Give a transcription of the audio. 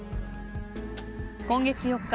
今月４日